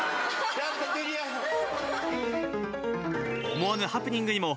思わぬハプニングにも、